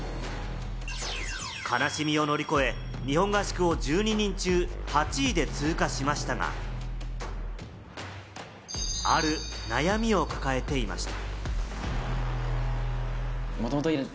悲しみを乗り越え、日本合宿を１２人中８位で通過しましたが、ある悩みを抱えていました。